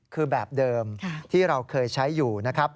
คือแบบเดิมที่เราเคยใช้อยู่นะครับ